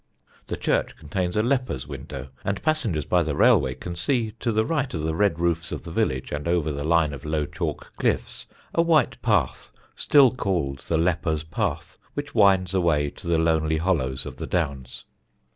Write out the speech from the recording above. The Church contains a Lepers' window, and passengers by the railway can see, to the right of the red roofs of the village and over the line of low chalk cliffs, a white path still called the Lepers' Path, which winds away in to the lonely hollows of the Downs.